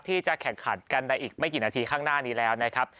ที่จะแข่งขันกันในอีกไม่กี่นาทีข้างหน้านี้แล้วนะครับ